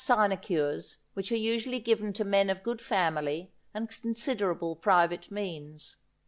63 sinecures which are usually given to men of good family and considerable private means.